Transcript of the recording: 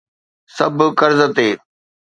سڀ قرض تي.